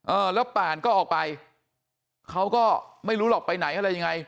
เออแล้วป่านก็ออกไปเขาก็ไม่รู้หรอกไปไหนอะไรยังไง